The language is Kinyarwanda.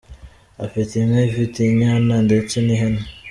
Afite inka ifite inyana ndetse n’ihene.